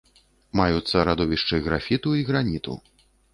Маюцца радовішчы графіту і граніту.